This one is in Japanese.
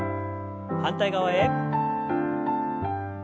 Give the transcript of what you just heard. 反対側へ。